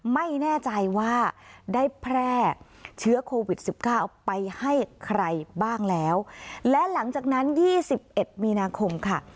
ไม่แน่ใจว่าได้แพร่เชื้อโควิดสิบเก้าไปให้ใครบ้างแล้วและหลังจากนั้นยี่สิบเอ็ดมีนาคมค่ะ